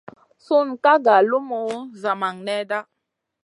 Sun ka nga lumu zamang nèda.